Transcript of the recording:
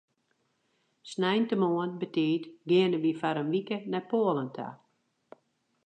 Sneintemoarn betiid geane wy foar in wike nei Poalen ta.